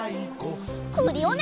クリオネ！